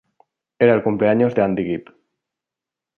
Era el cumpleaños de Andy Gibb.